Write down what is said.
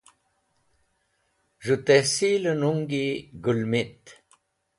Z̃hu Tehsil e nuñgi Gulmit.